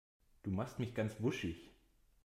Du machst mich ganz wuschig.